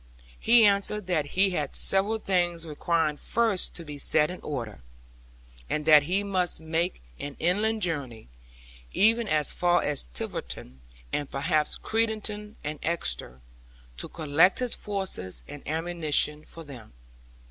He answered that he had several things requiring first to be set in order, and that he must make an inland Journey, even as far as Tiverton, and perhaps Crediton and Exeter, to collect his forces and ammunition for them.